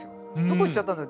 どこ行っちゃったんだ